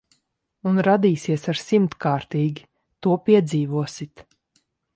Un radīsies ar simtkārtīgi. To piedzīvosit.